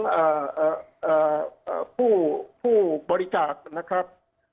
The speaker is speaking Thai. ในเรื่องของผู้บริจาคนะครับ